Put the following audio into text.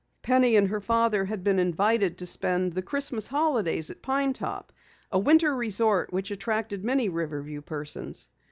Penny and her father had been invited to spend the Christmas holidays at Pine Top, a winter resort which attracted many Riverview persons.